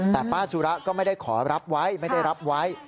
แต่ป้าสุระก็ไม่ได้ขอรับไว้ไม่ได้รับไว้